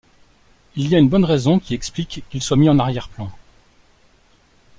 Il y a une bonne raison qui explique qu'il soit mis en arrière-plan.